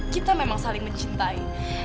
kita memang saling mencintai